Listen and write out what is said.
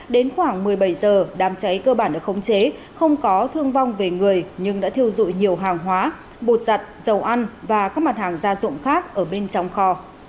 đến khoảng một mươi bảy giờ đám cháy cơ bản được khống chế không có thương vong về người nhưng đã thiêu dụi nhiều hàng hóa bột giặt dầu ăn và các mặt hàng gia dụng khác ở bên trong kho